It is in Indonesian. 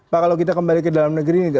pak kalau kita kembali ke dalam negeri ini